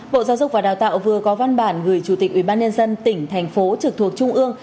bộ giáo dục và đào tạo vừa có văn bản gửi chủ tịch ubnd tỉnh thành phố trực thuộc trung ương